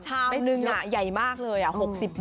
ชานึงใหญ่มากเลย๖๐บาท